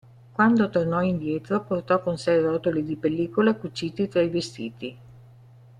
Quando tornò indietro, portò con sé rotoli di pellicola cuciti tra i vestiti.